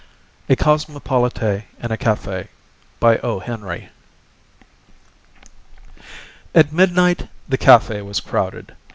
A COSMOPOLITE IN A CAFÉ At midnight the café was crowded.